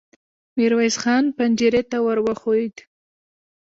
ميرويس خان پنجرې ته ور وښويېد.